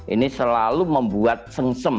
ini selalu membuat sengsem